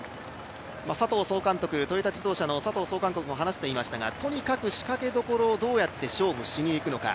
トヨタ自動車の佐藤総監督も話していましたがとにかく仕掛けどころをどうやって勝負していくのか。